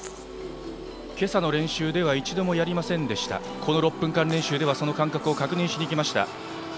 今朝の練習では一度もやりませんでしたがこの６分間練習ではその感覚を確認しました。